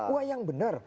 wah yang benar